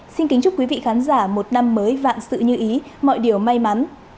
xin kính chúc quý vị khán giả một năm mới vạn sự như ý mọi điều may mắn